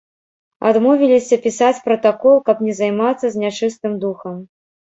Адмовіліся пісаць пратакол, каб не займацца з нячыстым духам.